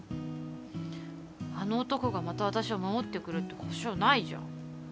あの男がまた私を守ってくれるって保証ないじゃん。